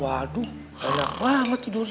waduh enak banget tidurnya